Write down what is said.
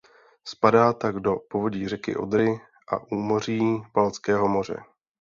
Spadá tak do povodí řeky Odry a úmoří Baltského moře.